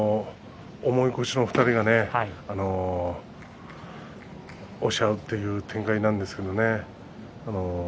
重い腰の２人が押し合うという展開なんですけどね。